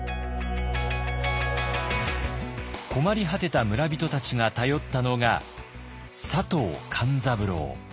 困り果てた村人たちが頼ったのが佐藤勘三郎。